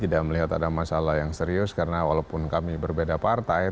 terus saya mengatakan saya tidak ada masalah yang serius karena walaupun kami berbeda partai